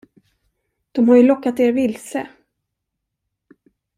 De har ju lockat er vilse.